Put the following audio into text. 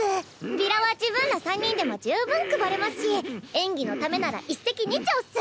ビラは自分ら三人でも十分配れますし演技のためなら一石二鳥っス。